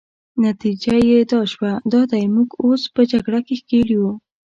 نتیجه يې دا شوه، دا دی موږ اوس په جګړه کې ښکېل یو.